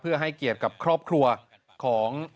เพื่อให้เกียรติกับครอบครัวของ